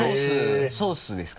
ソースですか？